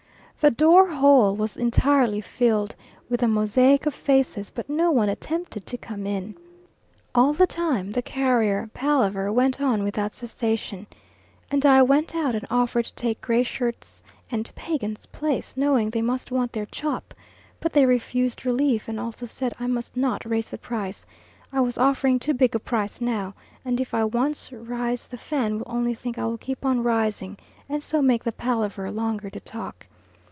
The door hole was entirely filled with a mosaic of faces, but no one attempted to come in. All the time the carrier palaver went on without cessation, and I went out and offered to take Gray Shirt's and Pagan's place, knowing they must want their chop, but they refused relief, and also said I must not raise the price; I was offering too big a price now, and if I once rise the Fan will only think I will keep on rising, and so make the palaver longer to talk.